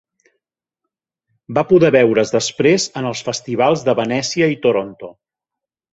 Va poder veure's després en els festivals de Venècia i Toronto.